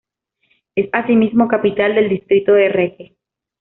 Es asimismo capital del distrito de Reque.